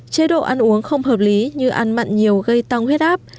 chế độ ăn uống không hợp lý như ăn mặn nhiều gây tăng huyết áp